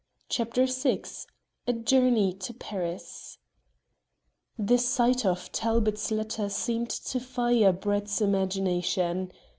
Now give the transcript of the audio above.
CHAPTER VI A JOURNEY TO PARIS The sight of Talbot's letter seemed to fire Brett's imagination.